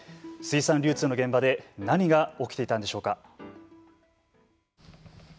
水産流通の現場で何が起きていたんでしょうか。